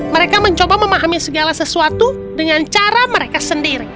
mereka mencoba memahami segala sesuatu dengan cara mereka sendiri